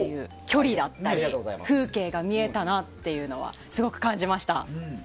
距離だったり風景が見えたなというのはすごく感じました。